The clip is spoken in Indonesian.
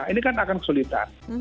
ini kan akan kesulitan